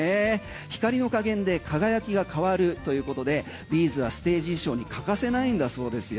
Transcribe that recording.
光の加減で輝きが変わるということでビーズはステージ衣装に欠かせないんだそうですよ。